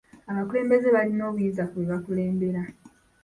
Abakulembeze balina obuyinza ku be bakulembera.